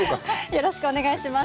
よろしくお願いします。